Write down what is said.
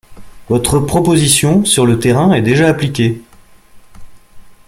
Votre proposition, sur le terrain, est déjà appliquée.